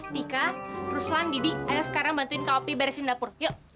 tika ruslan didi ayo sekarang bantuin kak opi barisin dapur yuk